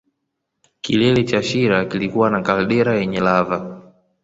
Kilele cha shira kilikuwa na kaldera yenye lava